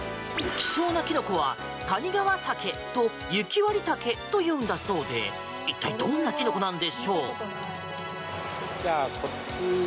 希少なキノコは谷川茸と雪割茸というんだそうで一体、どんなキノコなんでしょう？